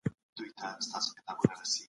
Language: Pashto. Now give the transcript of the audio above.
خصوصي سکتور د اقتصاد د انجن حیثیت لري.